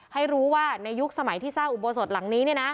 ให้รู้ว่าในยุคสมัยที่สร้างอุโบสถหลังนี้